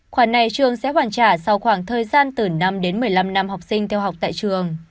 khoản này trường sẽ hoàn trả sau khoảng thời gian từ năm đến một mươi năm năm học sinh theo học tại trường